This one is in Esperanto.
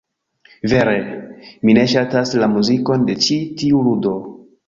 Vere, mi ne ŝatas la muzikon de ĉi tiu ludo.